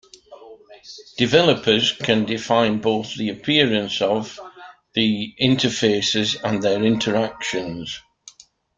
Developers can define both the appearance of the interfaces and their interactions.